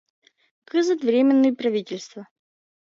Кызыт Временный правительство.